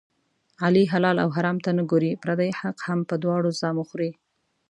علي حلال او حرام ته نه ګوري، پردی حق هم په دواړو زامو خوري.